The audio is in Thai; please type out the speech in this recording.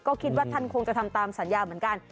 ก็คิดว่าท่านคงจะทำตามสัญญาเหมือนกัน